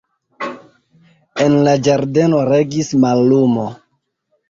En la ĝardeno regis mallumo.